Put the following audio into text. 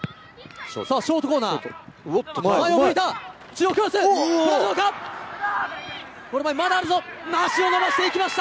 ショートコーナー、前を向いた。